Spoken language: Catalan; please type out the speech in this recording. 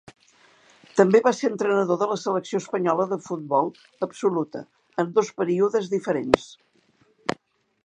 També va ser entrenador de la selecció espanyola de futbol absoluta en dos períodes diferents.